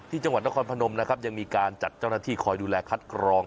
จังหวัดนครพนมนะครับยังมีการจัดเจ้าหน้าที่คอยดูแลคัดกรอง